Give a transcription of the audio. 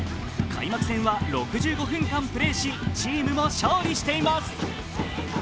開幕戦は６５分間プレーしチームも勝利しています。